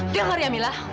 dengar ya mila